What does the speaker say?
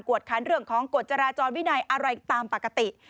คันเรื่องของกฎจราจรวินัยอะไรตามปกติ